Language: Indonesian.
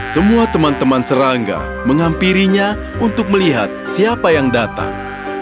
semua teman teman serangga menghampirinya untuk melihat siapa yang datang